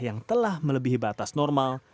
yang telah melebihi batas normal